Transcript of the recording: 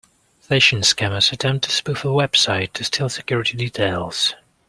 Phishing scammers attempt to spoof a website to steal security details.